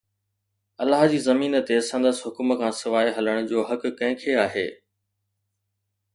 الله جي زمين تي سندس حڪم کان سواءِ هلڻ جو حق ڪنهن کي آهي؟